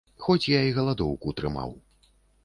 Хоць я і галадоўку трымаў.